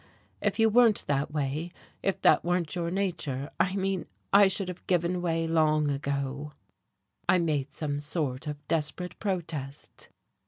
If you weren't that way, if that weren't your nature, I mean, I should have given way long ago." I made some sort of desperate protest.